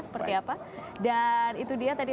seperti apa dan itu dia tadi